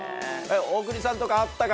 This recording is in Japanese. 大国さんとかあったか？